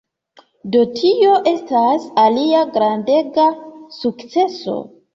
Do tio estas alia grandega sukceso.